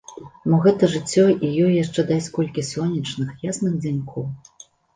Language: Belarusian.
Мо гэта жыццё і ёй яшчэ дасць колькі сонечных, ясных дзянькоў?